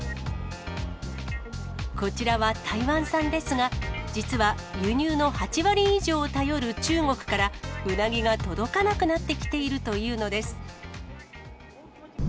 こちらは台湾産ですが、実は輸入の８割以上を頼る中国から、うなぎが届かなくなってきているというのです。